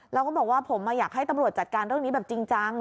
แล้วก็บอกว่าผมอยากให้ตำรวจจัดการเรื่องนี้แบบจริงจัง